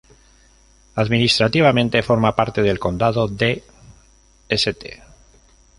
Administrativamente forma parte del condado de St.